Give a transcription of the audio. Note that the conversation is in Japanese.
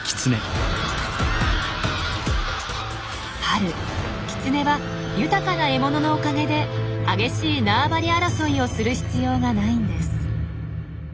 春キツネは豊かな獲物のおかげで激しい縄張り争いをする必要がないんです。